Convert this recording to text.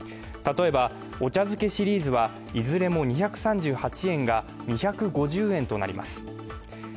例えばお茶づけシリーズはいずれも２３８円が２５０円となります。